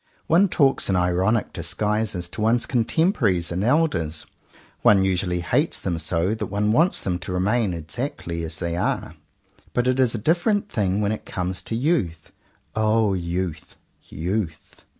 One talks in ironic disguises to one's contemporaries and elders. One usually hates them so that one wants them to remain exactly as they are. But it is a different thing when it comes to youth. O youth, youth!